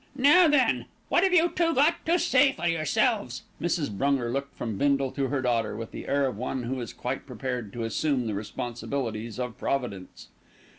"Now, then, what have you two got to say for yourselves?" Mrs. Brunger looked from Bindle to her daughter, with the air of one who is quite prepared to assume the responsibilities of Providence.